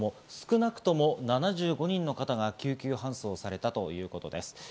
少なくとも７５人の方が救急搬送されたということです。